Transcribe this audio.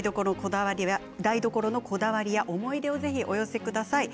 台所のこだわりや思い出をぜひお寄せください。